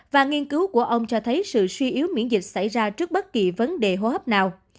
và nghiên cứu của ông cho thấy sự suy yếu miễn dịch xảy ra trước bất kỳ vấn đề hô hấp nào